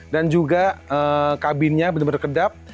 dan juga kabinnya benar benar kedap